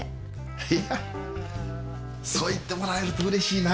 いやそう言ってもらえるとうれしいな。